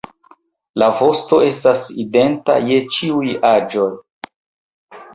La vosto estas identa je ĉiuj aĝoj.